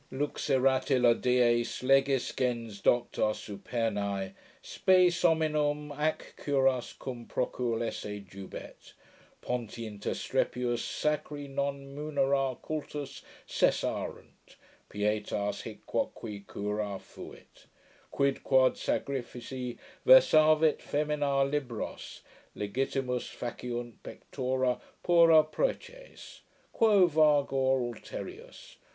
Luxerat illa dies, legis gens docta supernae Spes hominum ac curas cum procul esse jubet, Ponti inter strepitus sacri non munera cultus Cessarunt; pietas hic quoque cura fuit: Quid quod sacrifici versavit femina libros, Legitimas faciunt pectora pura preces. Quo vagor ulterius?